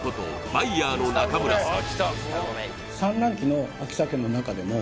バイヤーの中村さん